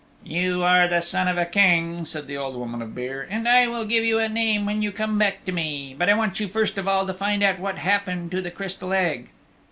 "You are the son of a King," said the Old Woman of Beare, "and I will give you a name when you come back to me. But I want you, first of all, to find out what happened to the Crystal Egg."